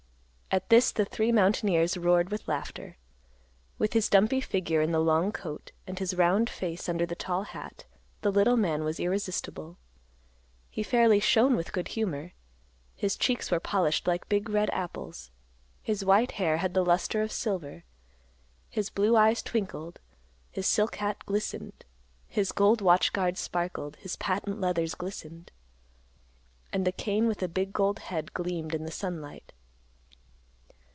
At this the three mountaineers roared with laughter. With his dumpy figure in the long coat, and his round face under the tall hat, the little man was irresistible. He fairly shone with good humor; his cheeks were polished like big red apples; his white hair had the luster of silver; his blue eyes twinkled; his silk hat glistened; his gold watch guard sparkled; his patent leathers glistened; and the cane with the big gold head gleamed in the sunlight.